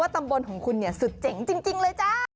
ว่าตำบลของคุณสุดเจ๋งจริงเลย